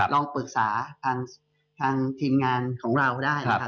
ลองปรึกษาทางทีมงานของเราได้นะครับ